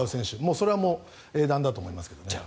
それは英断だと思いますが。